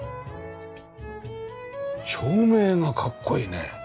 照明がかっこいいね。